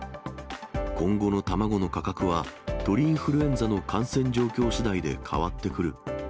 今後の卵の価格は、鳥インフルエンザの感染状況しだいで変わってくる。